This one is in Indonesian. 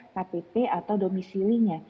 ktp atau domisili